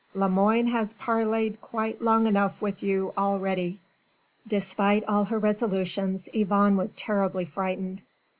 Lemoine has parleyed quite long enough with you already!" Despite all her resolutions Yvonne was terribly frightened.